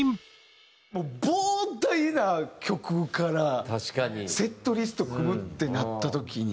もう膨大な曲からセットリスト組むってなった時に。